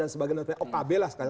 atau huruf d